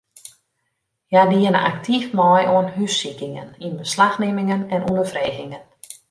Hja diene aktyf mei oan hússikingen, ynbeslachnimmingen en ûnderfregingen.